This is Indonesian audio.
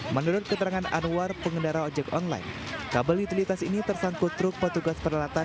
menurut keterangan anwar pengendara ojek online kabel utilitas ini tersangkut truk petugas peralatan